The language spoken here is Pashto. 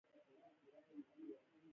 د نجونو تعلیم د انساني کرامت ساتنه کوي.